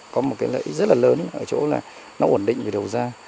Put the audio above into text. có một lợi rất lớn ở chỗ là nó ổn định về đầu ra